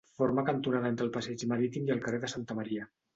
Forma cantonada entre el Passeig Marítim i el carrer de Santa Maria.